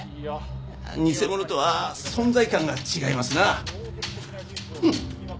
偽者とは存在感が違いますな。